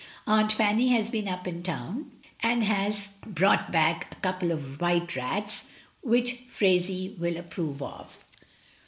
Aunt Fanny has been up in town, and has brought back a couple of white rats, which Phraisie will ap prove of.